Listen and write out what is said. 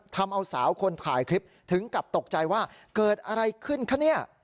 ทำเอาสาวคนถ่ายคลิปถึงกับตกใจว่าเกิดอะไรขึ้นคะเนี่ย